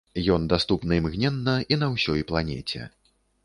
Ён даступны імгненна і на ўсёй планеце.